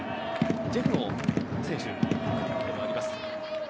ジェフの選手でもあります。